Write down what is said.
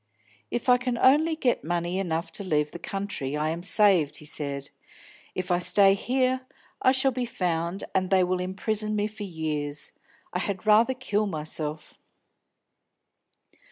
"If I can only get money enough to leave the country, I am saved," he said. "If I stay here, I shall be found, and they will imprison me for years. I had rather kill myself!"